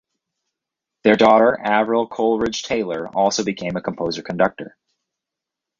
Their daughter Avril Coleridge-Taylor also became a composer-conductor.